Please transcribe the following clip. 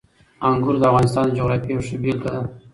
انګور د افغانستان د جغرافیې یوه ښه بېلګه ده.